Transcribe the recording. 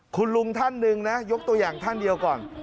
คุณลุงท่านหนึ่งนะยกตัวอย่างท่านเดียวก่อน